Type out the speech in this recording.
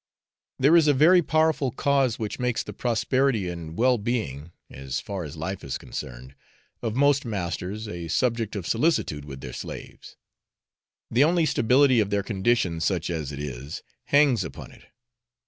There is a very powerful cause which makes the prosperity and well being (as far as life is concerned) of most masters a subject of solicitude with their slaves. The only stability of their condition, such as it is, hangs upon it.